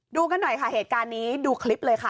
ดูกันหน่อยค่ะเหตุการณ์นี้ดูคลิปเลยค่ะ